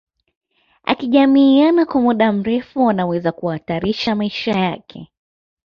Akijamiiana kwa mda mrefu anaweza kuhatarisha maisha yake